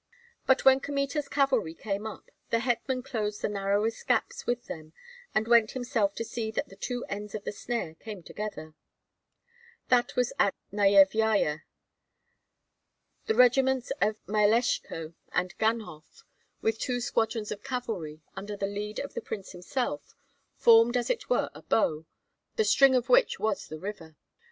But when Kmita's cavalry came up, the hetman closed the narrowest gaps with them, and went himself to see that the two ends of the snare came together. That was at Nyevyaja. The regiments of Myeleshko and Ganhoff with two squadrons of cavalry, under the lead of the prince himself, formed as it were a bow, the string of which was the river.